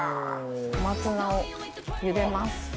小松菜を茹でます。